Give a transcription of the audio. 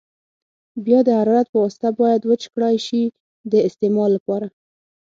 بیا د حرارت په واسطه باید وچ کړای شي د استعمال لپاره.